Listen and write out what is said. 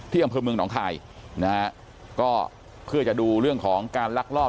อำเภอเมืองหนองคายนะฮะก็เพื่อจะดูเรื่องของการลักลอบ